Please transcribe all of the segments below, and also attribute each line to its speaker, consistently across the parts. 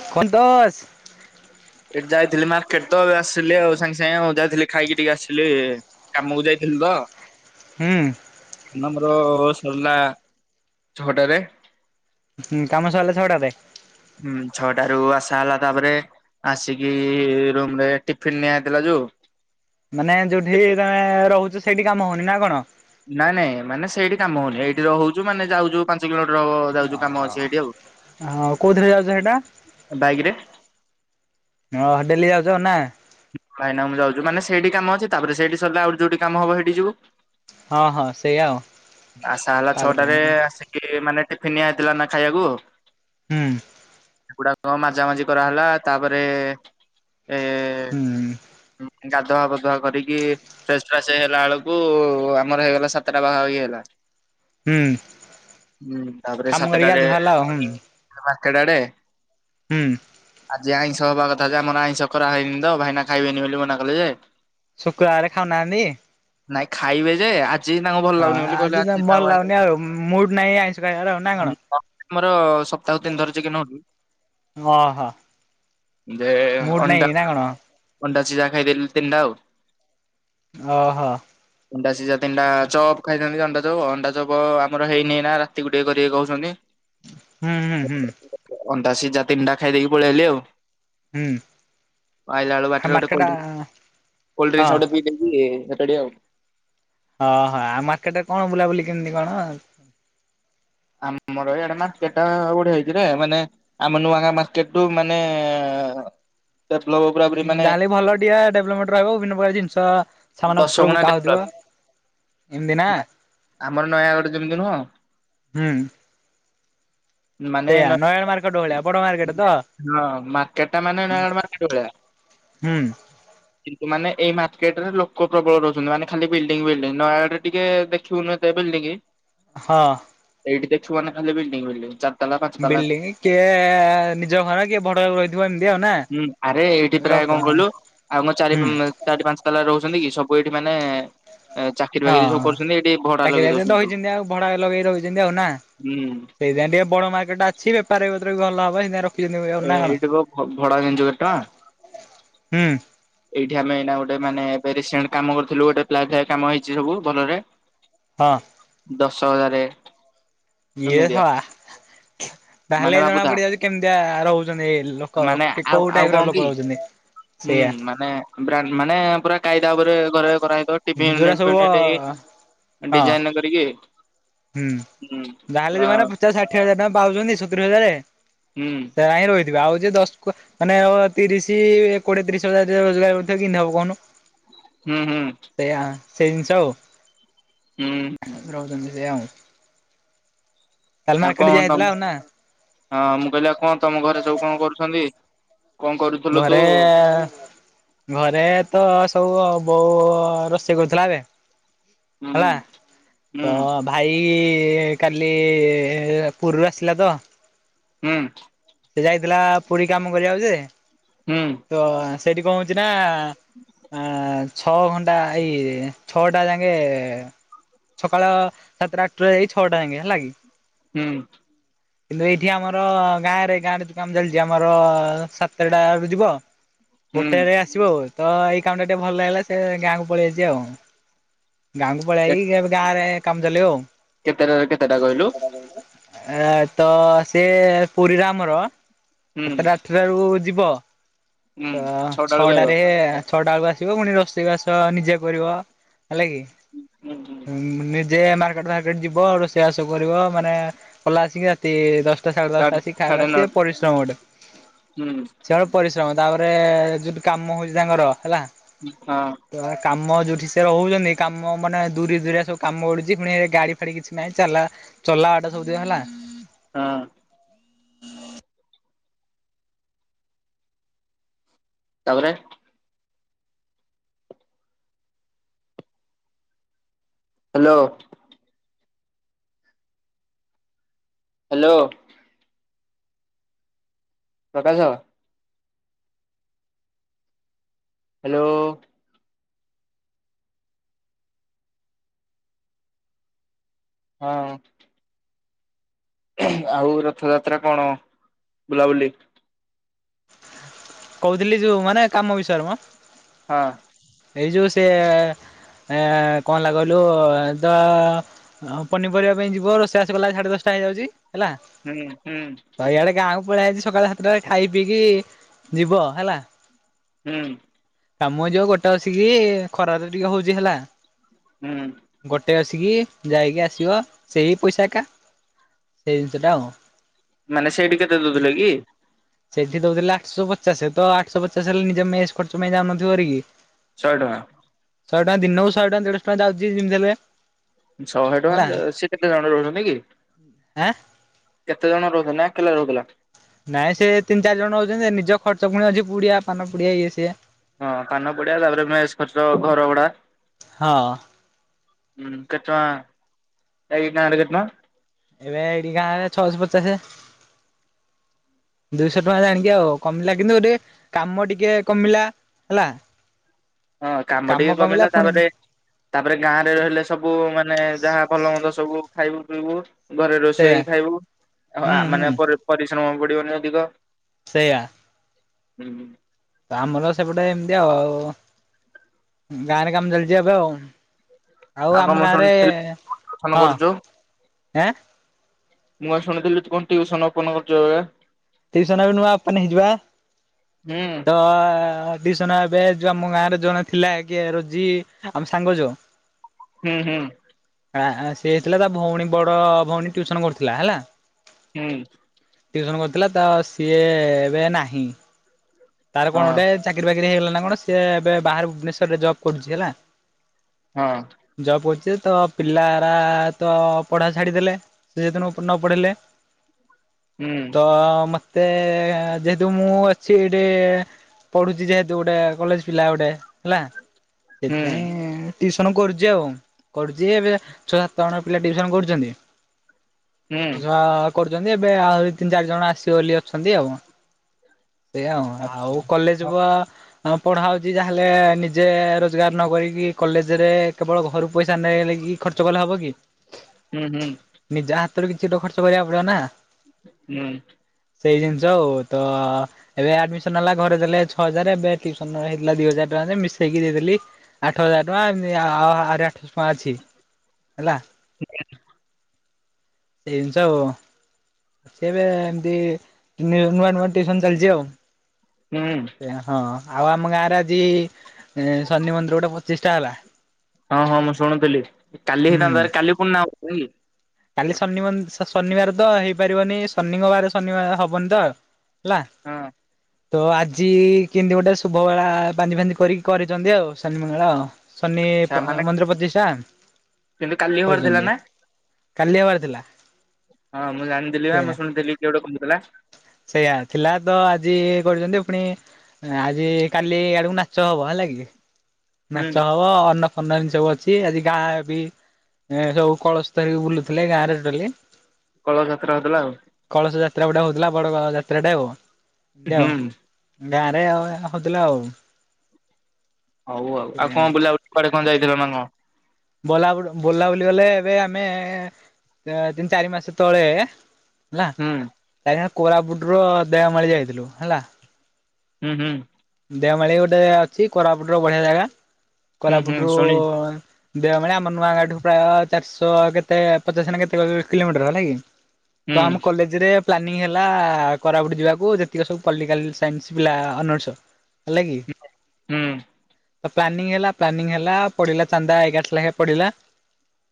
Speaker 1: [unintelligible] ଦଶ
Speaker 2: ଏଠି ଯାଇଥିଲି ମାର୍କେଟ ତ ଆସିଲି ଆଉ ସାଙ୍ଗେ ସାଙ୍ଗେ ଆଉ ଯାଇଥିଲି ଖାଇକି ଟିକେ ଆସିଲି। କାମକୁ ଯାଇଥିଲୁ ତ
Speaker 1: ହୁଁ।
Speaker 2: ନମର ସରିଲା ଛଅଟାରେ
Speaker 1: ହୁଁ କାମ ସରିଲା ଛଟା ରେ?
Speaker 2: ହୁଁ ଛଅଟା ରୁ ଆସା ହେଲା ତାପରେ ଆସିକି ରୁମରେ ଟିଫିିନ ନିଆ ହେଇଥିଲା ଯୋଉ
Speaker 1: ମାନେ ଯୋଉଠି ତମେ ରହୁଛ ସେଇଠି କାମ ହଉନି ନା କଣ?
Speaker 2: ନାଇଁ ନାଇଁ ମାନେ ସେଇଠି କାମ ହଉନି ଏଇଠି ରହୁଛୁ ମାନେ ଯାଉଛୁ ପାଞ୍ଚ ପାଞ୍ଚ କିଲମିଟର ହବ ଯାଉଛୁ କାମ ଅଛି ହେଇଠି ଆଉ।
Speaker 1: ହଁ କୋଉଥିରେ ଯାଉଛ ସେଇଟା
Speaker 2: ବାଇକ ରେ
Speaker 1: ହଁ ଡେଲି ଯାଉଛ ନା?
Speaker 2: କାଇଁ ନା ମୁଁ ଯାଉଛି ମାନ ସେଇଠି କାମ ଅଛି ତାପରେ ସେଇଠି ସରିଲେ ଆଉ ଯୋଉଠି କାମ ହବ ସେଠି ଯିବୁ।
Speaker 1: ହଁ ହଁ ସେଇଆ ଆଉ।
Speaker 2: ଆସା ହେଲା
Speaker 1: ତାପରେ
Speaker 2: ଛଅଟାରେ
Speaker 1: ହୁଁ
Speaker 2: ଆସିକି ମାନେ ଟିଫିନ ନିଆ ହେଇଥିଲା ନା ଖାଇବାକୁ
Speaker 1: ହୁଁ।
Speaker 2: ସେଗୁଡାକ ମାଜାମଜି କରାହେଲା ତାପରେ ଏ
Speaker 1: ହୁଁ।
Speaker 2: ଗାଧୁଆ ପାଧୁଆ କରିକି ଫ୍ରେସ୍ ଫ୍ରାସ ହେଲା ବେଳକୁ ଆମର ହେଇଗଲା ସାତଟା ପାଖା ପାଖି ହେଲା
Speaker 1: ହୁଁ
Speaker 2: ହୁଁ ତାପରେ
Speaker 1: କାମ କରିକି
Speaker 2: ସାତଟାରେ
Speaker 1: ଯାହା ହେଲା ଆଉ ହୁଁ
Speaker 2: ମାର୍କେଟ ଆଡେ
Speaker 1: ହୁଁ।
Speaker 2: ଆଜି ଆଇଁଷ ହବା କଥା ଯେ ଆମର ଆଇଁଷ କରାହଇନି ତ ଭାଇନା ଖାଇବେନି ବୋଲି ମନା କଲେ ଯେ
Speaker 1: ଶୁକ୍ରଆରେ ଖାଉନାହାନ୍ତି?
Speaker 2: ନାଇଁ ଖାଇବେ ଯେ ଆଜି ହିଁ ତାଙ୍କୁ ଭଲ
Speaker 1: ହଁ
Speaker 2: ଲାଗୁନି ବୋଲି। କହିଲେ
Speaker 1: ଆଜି
Speaker 2: ଆଜି ଥାଉ
Speaker 1: ଭଲ
Speaker 2: ଆଇଁଷ
Speaker 1: ଲାଗନି ଆଉ ମୁଡ ନାହିଁ ଆଇଁଷ ଖାଇବାର ଆଉ ନା କଣ?
Speaker 2: ଆମର ସପ୍ତାହ କୁ ତିନ୍ ଥର ଚିକେନ ହୋ
Speaker 1: ଓହୋ
Speaker 2: ଯେ
Speaker 1: ମୁଡ୍
Speaker 2: ଅଣ୍ଡା
Speaker 1: ନାହିଁ ନା କଣ
Speaker 2: ଅଣ୍ଡା ସିଜା ଖାଇଦେଲି ତିନି ଟା ଆଉ
Speaker 1: ଅହ।
Speaker 2: ଅଣ୍ଡା ସିଝା ତିନ ଟା ଚପ ଖାଇଥାନ୍ତି ଅଣ୍ଡା ଯବ ଅଣ୍ଡା ଯବ ଆମର ହେଇନି ନା ରାତିକୁୁ ଟିକେ କରିକି କହୁଛନ୍ତି।
Speaker 1: ହୁଁ ହୁଁ ହୁଁ।
Speaker 2: ଅଣ୍ଡା ସିଜା ତିନଟା ଖାଇ ଦେଇକି ପଳେଇଲି ଆଉ
Speaker 1: ହୁଁ।
Speaker 2: ଆଇଲା ଡୁ
Speaker 1: ଆଉ
Speaker 2: ବାଟରେ ଗୋଟେ
Speaker 1: ମାର୍କେଟ
Speaker 2: କୋଲ୍ ଡି
Speaker 1: ହଁ
Speaker 2: କୋଲ୍ଡ୍ରୀଙ୍କସ ଗୋଟେ ପିଇଥିଲି ସେଇଠି ଆଉ
Speaker 1: ଓହୋ ଆଉ ମାର୍କେଟରେ କଣ ବୁଲାବୁଲି କେମିତି କଣ?
Speaker 2: ଆମର ଏଇଆଡ଼େ ମାରକେଟ ଗୋଡେ ହେଇଛି ମାନେ ଆମ ନୂଆଙ୍ଗା ମାର୍କେଟୁ ମାନେ ଡେବଲବ
Speaker 1: ଯାହା ଲେ ବି ଭଲ ଟିଏ ଡେଭଲପମେଣ୍ଟ ରହିବ ବିଭିନ୍ନ ପ୍ରକାର ଜିନିଷ ସାମନ
Speaker 2: ଦଶ
Speaker 1: ପତ୍ର
Speaker 2: ଗୁଣା
Speaker 1: ବିକା
Speaker 2: ଡେଭଲପ
Speaker 1: ହୋଇଥିବ ଏମତି ନା
Speaker 2: ଆମର ନୟାଗଡ ଯେମିତି ନୁହଁ
Speaker 1: ହୁଁ।
Speaker 2: ମାନେ
Speaker 1: ସେଇୟା
Speaker 2: ହଁ
Speaker 1: ନୟାଗଡ଼ ମାର୍କେଟ ଭଳିଆ ବଡ ମାର୍କେଟ ତ?
Speaker 2: ମାର୍କେଟ ଟା ମାନେ ନୟାଗଡ ମାର୍କେଟ ଭଳିଆ।
Speaker 1: ହୁଁ।
Speaker 2: କିନ୍ତୁ ମାନେ ଏଇ ମାର୍କେଟ ରେ ଲୋକ ପ୍ରବଳ ରହୁଛନ୍ତି ମାନେ ଖାଲି ବିଲଡିଙ୍ଗ ବିଲ୍ଡିଂ ନୟାଗଡରେ ଟିକେ ଦେ [unintelligible]
Speaker 1: ହଁ।
Speaker 2: ଏଇଠି ଦେଖିବ ନାଁ ଖାଲି ବିଲ୍ଡିଙ୍ଗ ବିଲ୍ଡିଂ। ଚାର ତାଲା ପାଞ୍ଚ
Speaker 1: ବିଲଡିଂ କିଏ ନିଜ ଘର କିଏ ଭଡ଼ା କୁ ରହିଥିବ ଏମତି ଆଉ ନା?
Speaker 2: ହୁଁ ଆରେ ଏଇଠି ପ୍ରାୟ
Speaker 1: ଲୋକ
Speaker 2: କଣ କହିଲୁ ଆଉ ଚାରି
Speaker 1: ହୁଁ
Speaker 2: ମେ ଚାରି ପାଞ୍ଚ ତାଲା ରହୁଛନ୍ତି କି ସବୁ ଏଇଠି ମାନେ ଚାକିରି
Speaker 1: ହଁ
Speaker 2: ବାକିରି ସବୁ କରୁଛନ୍ତି ଏଠି ଭଡା
Speaker 1: ଚାକିରି
Speaker 2: ଲଗେଇ ରହୁଛନ୍ତି ସବୁ।
Speaker 1: ରହିଛନ୍ତି ଆଉ
Speaker 2: ହୁଁ।
Speaker 1: ସେଇଥି ପାଇଁ ଟିକେ ବଡ ମାର୍କେଟା ଅଛି ବେପାର୍ ବତର ବି ଭଲ ହବ ହେଉଥିପାଇଁ ର
Speaker 2: ଏ ଏଇଟା ର ଭଡା ଜାଣିଛୁ କେତେ
Speaker 1: ହୁଁ
Speaker 2: ଟଙ୍କା? ଏଇଠି ଆମେ ଏଇନା ଗୋଟେ ମାନେ ଏବେ ରିସେଣ୍ଟ କାମ କରିଥିଲୁ ଗୋଟେ ପ୍ଲାଇ ଫ୍ଲାଇ କାମ ହେଇଛି ସବୁ ଭଲରେ। [inaudible]
Speaker 1: ହଁ।
Speaker 2: ଦଶ ହଜାର
Speaker 1: ଇଏ ସଲା
Speaker 2: ମାନେ
Speaker 1: ତାହେଲେ ଜଣା
Speaker 2: ଭାବୁଥା
Speaker 1: ପଡିଯାଉଛି କେମିତିଆ ରହୁଛନ୍ତି ଲୋକ
Speaker 2: ମାନେ ଆଉ
Speaker 1: କୋଉ
Speaker 2: ଆଉ
Speaker 1: ଟାଇପ୍
Speaker 2: କଣ
Speaker 1: ର
Speaker 2: କି
Speaker 1: ଲୋକ ରହୁଛନ୍ତି?
Speaker 2: ହୁଁ
Speaker 1: ସେଇଆ
Speaker 2: ମାନେ ବା ମାନେ ପୁରା କାଇଦା ଉପରେ ଘରେ କରାହେଇଥିବ ଟିଭି
Speaker 1: ଯୋଉଟା
Speaker 2: ୟୁନିଟ
Speaker 1: ସବୁ
Speaker 2: ଫିନିଟ
Speaker 1: ହଁ
Speaker 2: [unintelligible] ଡିଜାଇନ୍ କରିକି
Speaker 1: ହୁଁ ଯାହେଲେ ସେମାନେ ପଚାଶ ଷାଠିଏ ହଜାର ଟଙ୍କା ପାଉଛନ୍ତି ସତୁରି ହଜାରରେ
Speaker 2: ହୁଁ।
Speaker 1: ସୋ ହିଁ ରହିଥିବ ଆଉ ଯ ଦଶ ମାନେ ଆ ତିରିଶ କୋଡିଏ ତିରିଶ ହଜାର ରୋଜଗାର କିିମିତି ହବ କହନୁ?
Speaker 2: ହୁଁ ହୁଁ।
Speaker 1: ସେଇଆ ସେଇ ଜିନିଷ ଆଉ।
Speaker 2: ହୁଁ।
Speaker 1: ରହୁଛନ୍ତି ସେ ଆଉ। କାଲି ମାର୍କେଟ
Speaker 2: ତାଙ୍କ
Speaker 1: ଯା
Speaker 2: ଅ
Speaker 1: ହେଇଥିଲା
Speaker 2: ତମ
Speaker 1: ଆଉ ନା
Speaker 2: ହଁ ମୁଁ କହିଲି ଆଉ କଣ ତମ ଘରେ ସବୁ କଣ କରୁଛନ୍ତି। କଣ କରୁ
Speaker 1: ଘରେ ଘରେ ତ ସବୁ ବୋଉ ରୋଷେଇ କରୁଥିଲା ଏବେ।
Speaker 2: ହୁଁ
Speaker 1: ହେଲା
Speaker 2: ହୁଁ
Speaker 1: ତ ଭାଇ କାଲି ପୁରୀରୁ ଆସିଲା ତ
Speaker 2: ହୁଁ।
Speaker 1: ସେ ଯାଇଥିଲା ପୁରୀ କାମ କରିବାକୁ ଯେ
Speaker 2: ହୁଁ।
Speaker 1: ତ ସେଇଠି କଣ ହଉଛି ନା ଆ ଛଅ ଘଣ୍ଟା ଇଏ ଛଅଟା ଯାଙ୍କେ ସକାଳ ସାତଟ ଆଠଟା ଯାଇକି ଛଅଟା ଯାଙ୍କେ ହେଲା କିି।
Speaker 2: ହୁଁ।
Speaker 1: କିନ୍ତୁ ଏଇଠି ଆମର ଗାଁ ରେ ଗାଁରେ ଯଉ କାମ ଚାଲିଛି ଆମର ସାତଟା ରୁ ଯିବ
Speaker 2: ହୁଁ।
Speaker 1: ଗୋଟେରେ ଆ ଆସିବ ତ ଏଇ କାମ ଟା ଟିକେ ଭଲ ଲାଗିଲା ସେ ଗାଁ କୁ ପଳେଇ ଆଇଛି ଆଉ। ଗାଁକୁ ପଳେଇ ଆଇ ଏବେ ଗାଁ ରେ କାମ ଚାଲିବ ଆଉ।
Speaker 2: କେତେଟା କେତେଟା କହିଲୁ?
Speaker 1: ଏ ତ ସେ ପୁରୀ ରେ ଆମର
Speaker 2: ହୁଁ
Speaker 1: ସାତଟା ଆଠଟାରୁ ଯିବ
Speaker 2: ହୁଁ
Speaker 1: ତ
Speaker 2: ଛଅଟା ବେଳକୁ ଆଇବ।
Speaker 1: ଛଅଟାରେ ଛଅଟା ବେଳକୁ ଆସିବ ପୁଣି ରୋଷେଇ ବାସ ନିଜେ କରିବ ହେଲା କି।
Speaker 2: [unintelligible]
Speaker 1: ନିଜେ ମାର୍କେଟ ଫାର୍କେଟ ଯିବ ରୋଷେଇ ବାସ କରିବ ମାନେ କଲା ଆସିକି ତି ଦଶଟା ସାଢେ ଦଶଟା ଆସି
Speaker 2: ସାଢେ
Speaker 1: ଖାଇଲା ସେ
Speaker 2: ନଅଟା
Speaker 1: ପରିଶ୍ରମ ଗୋଟେ।
Speaker 2: ହୁଁ
Speaker 1: ସିଆଡୁ ପରିଶ୍ରମ ତାପରେ ଯୋଉଠୁ କାମ ହଉଛି ତାଙ୍କର ହେଲା।
Speaker 2: ହଁ।
Speaker 1: ତ କାମ ଯୋଉଠି ସେ ରହୁଛନ୍ତି କାମ ମାନେ ଦୁରି ଦୁରିଆ ସବୁ କାମ ମିଳୁଛି। ପୁଣି ଗାଡି ଫାଡି କିଛି ନାହିଁ ଚାଲା। ଚଲା ବାଟା ସବୁଦିିନ ହେଲା।
Speaker 2: ହଁ। ତାପରେ ହ୍ୟାଲୋ। ହ୍ୟାଲୋ। ପ୍ରକାଶ। ହ୍ୟାଲୋ। ହଁ। ଆଉ ରଥଯାତ୍ରା କଣ ବୁଲାବୁଲି?
Speaker 1: କହୁଥିଲି ଯୋଉ ମାନେ କାମ ବିଷୟରେ ମ।
Speaker 2: ହଁ।
Speaker 1: ଏଇ ଯୋଉ ସେ କଣ ହେଲା କହିଲୁ ତ ଆଉ ପନିପରିବା ପାଇଁ ଯିବ ରୋଷେଇ ବାସ କଲାବେଳେ ସାଢେ ଦଶଟା ହେଇଯାଉଛି ହେଲା।
Speaker 2: ହୁଁ ହୁଁ।
Speaker 1: ଆ ଇଆଡେ ଗାଁକୁ ପଳେଇ ଆଇଛି ସକାଳ ସାତଟାରେ ଖାଇ ପିଇକି ଯିବ ହେଲା।
Speaker 2: ହୁଁ।
Speaker 1: କାମ ଯିବ ଗୋଟେ ଅସିକି ଖରାରେ ଟିକେ ହଉଛି ହେଲା।
Speaker 2: ହୁଁ।
Speaker 1: ଗୋଟେ ଆସିକି ଯାଇକି ଆସିବ ସେଇ ପଇସା ଏକା ସେଇ ଜିନିଷ ଟା ଆଉ।
Speaker 2: ମାନେ ସେଇଠି କେତେ ଦଉଥିଲେ କି?
Speaker 1: ସେଠି ଦଉଥିଲେ ଆଠଶହ ପଚାଶ ତ ଆଠଶହ ପଚାଶ ହେଲେ। ନିଜ ମେସ୍ ଖର୍ଚ୍ଚ ପାଇଁ ଯାଉନଥିବ ହେରିକି।
Speaker 2: ଶହେ ଟଙ୍କା?
Speaker 1: ଶହ ଟଙ୍କା ଦିନକୁ ଶହେ ଟଙ୍କ ଦେଢଶହ ଟଙ୍କା ଯାଉଛି ଯେମିତି ହେଲେ।
Speaker 2: ଶହେ
Speaker 1: ହେଲା
Speaker 2: ଟଙ୍କା ସେ କେତେ ଜଣ ରହୁଛନ୍ତି କି?
Speaker 1: ଆଁ?
Speaker 2: କେତେ ଜଣ ରହୁଥିଲେ ନା ଏକେଲା ରହୁଥିଲା?
Speaker 1: ନାଇଁ ସେ ତିନି ଚାରି ଜଣ ରହୁଛନ୍ତି ନିଜ ଖର୍ଚ୍ଚ ପୁଣି ଅଛି ପୁଡିଆ ପାନ ପୁଡିଆ ଇଏ ସିଏ।
Speaker 2: ହଁ ପାନ ପୁଡିଆ ତାପରେ ମେସ୍ ଖର୍ଚ୍ଚ ଘର ଭଡା।
Speaker 1: ହଁ
Speaker 2: ହୁଁ କେତେ ଟଙ୍କା ଏଇ ଗାଁ ରେ କେତେ ଟଙ୍କା?
Speaker 1: ଏବେ ଏଠି ଗାଁରେ ଛଅ ଶହ ପଚାଶେ।
Speaker 2: ହୁଁ
Speaker 1: ଦୁଇଶହ ଟଙ୍କା ଜାଣିକି ଆଉ କମିଲା କିନ୍ତୁ ଟିକେ କାମ ଟିକେ କମିଲା। ହେଲା।
Speaker 2: ହଁ କାମ ଟିକେ କମିଲା ତାପରେ ତାପରେ ଗାଁ ରେ ରହିଲେ ସବୁ ମାନେ ଯାହା ଭଲମନ୍ଦ ସବୁ ଖାଇବୁ ପିଇବୁ। ଘରେ
Speaker 1: ସେଇଆ
Speaker 2: ରୋଷେଇ ଖାଇବୁ ଅ ଆ
Speaker 1: ହୁଁ ହୁଁ
Speaker 2: ମାନେ ପ-ପରିଶ୍ରମ ପଡିବନି ଅଧିକ।
Speaker 1: ସେଇୟା।
Speaker 2: ହୁ‍ଁ ଉଁ।
Speaker 1: ତ ଆମର ସେପଟେ ଏମତି ଆଉ ଆଉ ଗାଁରେ କାମ ଚାଲିଛି ଏବେ ଆଉ। ଆଉ
Speaker 2: କଣ
Speaker 1: ଆମ
Speaker 2: ମୁଁ
Speaker 1: ଗାଁ ରେ
Speaker 2: ଶୁଣିଥିଲି ଟିଉସନ
Speaker 1: ହଁ
Speaker 2: କରୁଛୁ
Speaker 1: ଏଁ।
Speaker 2: ମୁଁ ବା ଶୁଣିଥିଲି ତୁ କଣ ଟିଉସନ ଓପନ କରିଚୁ ଏବେ।
Speaker 1: ଟିଉସନ ଏବେ ନୁଆଁ ଓପନ ହେଇଚିବା
Speaker 2: ହୁଁ
Speaker 1: ତ ଟିସନ‌ ଏବେ ଯୋଉ ଆମ ଗାଁରେ ଜଣେ ଥିଲା କିଏ ରୋଜି ଆମ ସାଙ୍ଗ ଯୋଉ।
Speaker 2: ହୁଁ ହୁଁ।
Speaker 1: ଆ ଆ ସିଏ ହେଇଥିଲା ତା ଭଉଣୀ ବଡ ଭଉଣୀ ଟ୍ୟୁସନ କରିଥିଲା ହେଲା।
Speaker 2: ହୁଁ।
Speaker 1: ଟିଉସନ କରିଥିଲା ତ ସିଏ ଏବେ ନାହିଁ। ତାର କଣ
Speaker 2: ହଁ
Speaker 1: ଗୋଟେ ଚାକିରି ବାକିରି ହେଇଗଲା ନା କଣ ସିଏ ଏବେ ବାହହାର ଭୁବନେଶ୍ୱର ରେ ଜବ୍ କରୁଛି ହେଲା।
Speaker 2: ହଁ।
Speaker 1: ଜବ କରୁଛି ତ ପିଲାରା ତ ପଢା ଛାଡିଦେଲେ। ସିଏ ଯେହେତୁ ନ ପଡ଼େଇଲେ
Speaker 2: ହୁଁ।
Speaker 1: ତ ମତେ ଯେହେତୁ ମୁଁ ଅଛି ଏ ଏ ପଢୁଛି ଯେହେତୁ ଗୋଟେ କଲେଜ ପିଲା ଗୋଟେ। ହେଲା
Speaker 2: ହୁଁ
Speaker 1: ସେଇଥିପାଇଁ। ଟିଉସନ୍ କରୁଛି ଆଉ କରୁଛି ଏବେ ଛଅ ସାତ ଜଣ ପିଲା ଟିଉସନ କରୁଛନ୍ତି।
Speaker 2: ହୁଁ
Speaker 1: ଛୁଆ କରୁଛନ୍ତି ଏବେ ଆହୁରି ତିନି ଚାରି ଜଣ ଆସିବେ ବୋଲି ଅଛନ୍ତି ଆଉ। ଏୟା ଆଉ
Speaker 2: ଆଚ୍ଛା।
Speaker 1: ଆଉକଲେଜ ବ ଆଉ ପଢା ହଉଛି ଯାହେଲେ ନିଜେ ରୋଜଗାର ନକରିକି କଲେଜ ରେ କେବଳ ଘରୁ ପଇସା ନେଇଗଲେ କିି ଖର୍ଚ୍ଚ କଲେ ହବ କି।
Speaker 2: ହୁଁ ହୁଁ।
Speaker 1: ନିଜା ହାତରୁ କିଛି ଗୋଟେ ଖର୍ଚ୍ଚ କରିବାକୁ ପଡିବ ନା।
Speaker 2: ହୁଁ।
Speaker 1: ସେଇ ଜିନିଷ ଆଉ ତ ଏବେ ଆଡମିସନ ହେଲା ଘରେ ଦେଲେ ଛଅ ହଜାର ଏବେ ଟିଉସନ ହେଇଥିଲା ଦି ହଜାର ଟଙ୍କା ଯେ ମିଶେଇକି ଦେଇଦେଲି। ଆଠ ହଜାର ଟଙ୍କା ଏମତି ଆ ଆଉରି ଆଠଶ ଟଙ୍କା ଅଛି ହେଲା।
Speaker 2: [inaudible]
Speaker 1: ସେଇ ଜିନିଷ ଆଉ ସେ ଏବେ ଏମତି ନୂଆ ନୂଆ ଟିଉସନ ଚାଲିଛି ଆଉ।
Speaker 2: ହୁଁ।
Speaker 1: ଏ ହଁ ଆଉ ଆମ ଗାଁରେ ଆଜି ଶନି ମନ୍ଦିର ଗୋଟେ ପଚିଷ୍ଟା‌ ହେଲା।
Speaker 2: ହଁ ହଁ ମୁଁ ଶୁଣୁଥିଲି କାଲି
Speaker 1: ହୁଁ
Speaker 2: ହେଇଥାନ୍ତା ହାରି କାଲି ପୁଣି ନା ଅ କା
Speaker 1: କାଲି ଶନି ମ ଶନିବାର ତ ହେଇପାରିବନି ଶନିଙ୍କବାର ଶନିବାର ହବନି ତ ହେଲା।
Speaker 2: ହଁ।
Speaker 1: ତ ଆଜି କେମିତି ଗୋଟେ ଶୁଭ ବେଳା ବାନ୍ଧି ଫାଧି କରିକି କରିଛନ୍ତି ଆଉ ଶନି ମେଳା ଆଉ। ଶନି
Speaker 2: ମାନେ
Speaker 1: ମନ୍ଦିର ପ୍ରତିଷ୍ଠା।
Speaker 2: କିନ୍ତୁ କାଲି ହବାର ଥିଲା
Speaker 1: କରୁଛନ୍ତି
Speaker 2: ନା।
Speaker 1: କାଲି ହବାର ଥିଲା
Speaker 2: ହଁ ମୁଁ ଜାଣିଥିଲି ବା
Speaker 1: ସେଇଆ।
Speaker 2: ମୁଁ ଶୁଣିଥିଲି କିଏ ଗୋଟେ କହୁଥିଲା।
Speaker 1: ସେଇଆ ଥିଲା ତ ଆଜି କରୁଛନ୍ତି ଫୁଣି। ଆଜି କାଲି ଆଡକୁ ନାଚ ହବ ହେଲା କି।
Speaker 2: ହୁଁ
Speaker 1: ନାଚ ହବ ଅନ୍ନ ଫର୍ଣ୍ଣ ଏମିତି ସବୁ ଅଛି ଆଜି ଗାଁ ବି ଏ ସବୁ କଳସ ଧରିକି ବୁଲୁ ଥିଲା ଗାଁ ରେ ଟୋଟାଲି।
Speaker 2: କଳସ ଯାତ୍ରା ହେଉଥିଲା ଆଉ।
Speaker 1: କଳସ ଯାତ୍ରା ଗୋଟେ ହଉଥିଲା ବଡ ଗୋଟେ ଯାତ୍ରାଟା ଆଉ ଏମତି
Speaker 2: ହୁଁ
Speaker 1: ଆଉ। ଗାଁରେ ଆଉ ହଉଥିଲା ଆଉ।
Speaker 2: ହଉ ଆଉ ଆଉ
Speaker 1: ସେଇଆ।
Speaker 2: କଁ ବୁଲା ବୁଲି କୁଆଡ଼େ କଁ ଯାଇଥିଲ ନାଁ କଁ।
Speaker 1: ବୋଲା ବୁଲ ବୁଲା ବୁଲି ଗଲେ ଏବେ ଆମେ ତିନି ଚାରି ମାସ ତଳେ ହେଲା
Speaker 2: ହୁଁ
Speaker 1: ଯାଇଥିଲୁ କୋରାପୁଟ ର ଦେଓମାଳି ଯାଇଥିଲୁ ହେଲା।
Speaker 2: ହୁଁ -ହୁଁ।
Speaker 1: ଦେଓମାଳି ଗୋଟେ ଅଛି କୋରାପୁଟ ର ବଢିଆ ଜାଗା
Speaker 2: ହୁଁ ହୁଁ
Speaker 1: କୋରାପୁଟରୁ
Speaker 2: ଶୁଣି
Speaker 1: ଦେଓମାଳ ଆମର ନୂଆ ଗାଁ ଠୁ ପ୍ରାୟ ଚାରିଶ କେତେ ପଚାଶ୍ ନାଁ କେତେ ପାଖାପାଖି କିଲୋମିଟର ହେଲାକି।
Speaker 2: ହୁଁ
Speaker 1: ତ ଆମ କଲେଜ୍ ରେ ପ୍ଲାନିଂ ହେଲା କୋରାପୁଟ୍ ଯିବାକୁ ଯେତିକି ସବୁ ପଲ୍ଟିକାଲ୍ ସାଇନ୍ସ ପିଲା ଅନର୍ସ ହେଲା କିି
Speaker 2: ହୁଁ
Speaker 1: ପ୍ଲାନିଂ ହେଲା -ପ୍ଲାନିଂ ହେଲା ପଡିଲା ଚାନ୍ଦା ଏଗାରଶ ଲେଖା ପଡିଲା।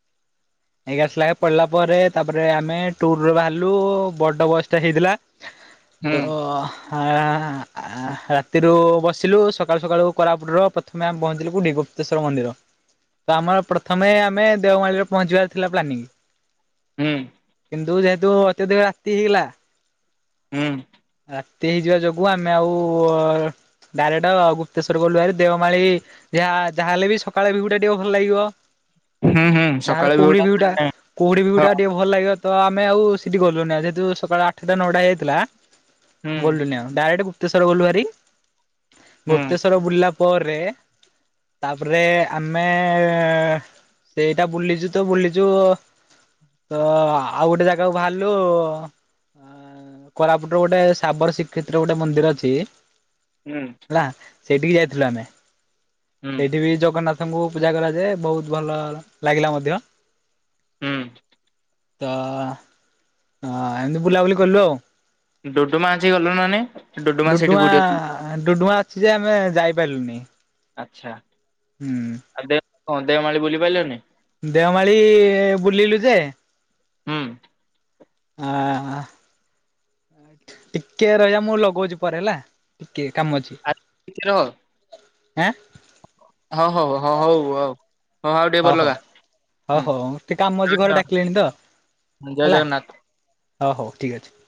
Speaker 2: [inaudible]
Speaker 1: ଏଗାରଶ୍ ଲାଖେ ପଡିଲା ପରେ ତାପରେ ଆମେ ଟୁର୍ ରୁ ବାହାରିଲୁ ବଡ ବସ୍ ଟେ ହେଇଥିଲା
Speaker 2: [inaudible]
Speaker 1: ତ ଆ-ହା-ଆ-ହା। ରାତିରୁ ବସିଲୁ ସକାଳୁ ସକାଳୁ କୋରାପୁଟ୍ ର ପ୍ରଥମେ ଆମେ ପହଞ୍ଚିଲୁ କଉଠି ଗୁପ୍ତେଶ୍ୱର୍ ମନ୍ଦିର। ତ ଆମର ପ୍ରଥମେ ଆମେ ଦେଓମାଳି ପହଞ୍ଚିବାର ଥିଲା ପ୍ଲାନିଂ।
Speaker 2: ହୁଁ।
Speaker 1: କିନ୍ତୁ ଯେହେତୁ ଅତ୍ୟଧିକ ରାତି ହେଇଗଲା
Speaker 2: ହୁଁ।
Speaker 1: ରାତି ହେଇଯିବା ଯୋଗୁ ଆମେ ଆଉ ଡାଇରେକ୍ଟ ଗୁପ୍ତେଶ୍ଵର ଗଲୁ ହାରି ଦେଓମାଳି ଯାହା- ଯାହା ହେଲେ ବି ସକାଳେ ଭିଉ ଟା ଟିକେ ଭଲ ଲାଗିବ
Speaker 2: ହୁଁ ହୁଁ
Speaker 1: ଯାହାଲେ
Speaker 2: ସକାଳେ ବି
Speaker 1: କୁହୁଡି ଭିଉ ଟା।
Speaker 2: ଗୋଟେ
Speaker 1: କୁହୁଡିି ଭିଉ
Speaker 2: ହଁ
Speaker 1: ଟା ଟିକେ ଭଲ ଲାଗିବ ତ ଆମେ ଆଉ ସେଠି ଗଲୁନି ଆଉ ଯେହେତୁ ସକାଳ ଆଠେଟା ନଅଟା ହେଇଯାଇଥିଲା
Speaker 2: ହୁଁ
Speaker 1: ଗଲୁନି ଆଉ ଡାଇରେକ୍ଟେ ଗୁପ୍ତେଶ୍ୱର ଗଲୁ ଭାରି
Speaker 2: ହୁଁ
Speaker 1: ଗୁପ୍ତେଶ୍ୱର ବୁଲିଲା ପରେ ତାପରେ ଆମେ ସେଇଟା ବୁଲିଚୁ ତ ବୁଲିଚୁ ତ ଆଉ ଗୋଟେ ଜାଗାକୁ ବାହାରିଲୁ କୋରାପୁଟର ଗୋଟେ ସାବର ଶ୍ରୀକ୍ଷେତ୍ର ଗୋଟେ ମନ୍ଦିର ଅଛି
Speaker 2: ହୁଁ।
Speaker 1: ହେଲା ସେଇଠିକି ଯାଇଥିଲୁ ଆମେ
Speaker 2: ହୁଁ
Speaker 1: ସେଇଠି ବି ଜଗନ୍ନାଥ ତାଙ୍କୁ ପୂଜା କରାଯାଏ ବହୁତ୍ ଭଲ ଲାଗିଲା ମଧ୍ୟ।
Speaker 2: ହୁଁ
Speaker 1: ତ ଏମିତି ବୁଲାବୁଲି କଲୁ ଆଉ।
Speaker 2: ଡୁଡୁମା ଆଜି ଗଲୁ ନା ନାଇଁ ଡୁଡୁମା ସେଠି କଉଠି ଅଛି।
Speaker 1: ହାଁ -ଡୁଡୁମା ଅଛି ଯେ ଆମେ ଯାଇପାରିଲୁନି।
Speaker 2: ଆଚ୍ଛା।
Speaker 1: ହୁଁ।
Speaker 2: ଆଉ ଦେଓ -ହଁ -ଦେଓମାଳି ବୁଲି ପାଇଲେନି?
Speaker 1: ଦେଓମାଳି ବୁଲିଲୁ ଯେ
Speaker 2: ହୁଁ
Speaker 1: ଆଁ - ଟିକେ ରହିଯା ମୁଁ ଲଗଉଚି ପରେ ହେଲା ଟିକେ କାମ ଅଛି।
Speaker 2: ଆ ଟି କେ ରହ।
Speaker 1: ଆଁ।
Speaker 2: ହଁ -ହଉ- ହଁ -ହଉ -ହଉ- ହଁ ଆଉ ଟିକେ ପରେ ଲଗା।
Speaker 1: ହଁ- ହଉ ଟିକେ କାମ ଅଛି ଘରେ ଡାକିଲେଣି ତ
Speaker 2: ହୁଁ ଜୟ
Speaker 1: ହେଲା।
Speaker 2: ଜଗନ୍ନାଥ।
Speaker 1: ହଁ- ହଉ ଠିକ୍ ଅଛି।